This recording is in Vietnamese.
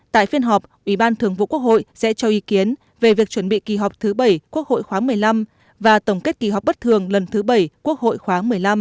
tại phiên họp ủy ban thường vụ quốc hội sẽ cho ý kiến về việc chuẩn bị kỳ họp thứ bảy quốc hội khoáng một mươi năm và tổng kết kỳ họp bất thường lần thứ bảy quốc hội khoáng một mươi năm